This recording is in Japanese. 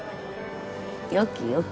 よきよき？